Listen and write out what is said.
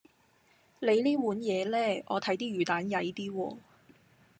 你呢碗嘢呢，我睇啲魚蛋曳啲喎